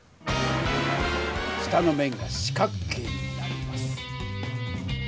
下の面が四角形になります。